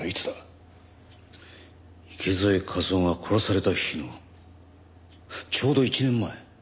池添一雄が殺された日のちょうど１年前。